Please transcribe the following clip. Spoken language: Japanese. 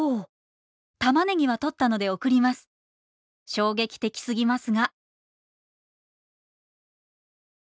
衝撃的すぎますが」。